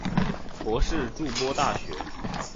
博士筑波大学。